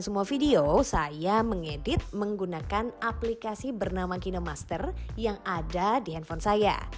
semua video saya mengedit menggunakan aplikasi bernama kino master yang ada di handphone saya